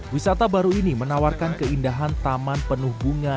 wisata baru ini menawarkan keindahan taman penuh bunga